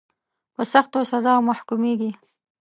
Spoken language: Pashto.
په سختو سزاوو محکومیږي.